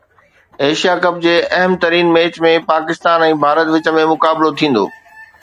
Asia cup جي اهم ترين ميچ ۾ پاڪستان ۽ ڀارت وچ ۾ مقابلو ٿيندو